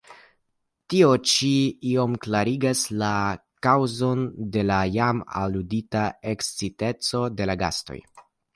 Tio ĉi iom klarigas la kaŭzon de la jam aludita eksciteco de la gastoj!